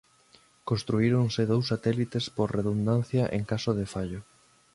Construíronse dous satélites por redundancia en caso de fallo.